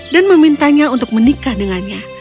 dan memintanya untuk menikah dengannya